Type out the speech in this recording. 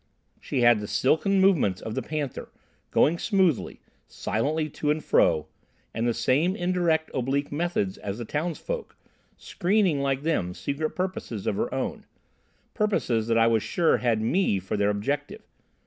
She had the silken movements of the panther, going smoothly, silently to and fro, and the same indirect, oblique methods as the townsfolk, screening, like them, secret purposes of her own—purposes that I was sure had me for their objective.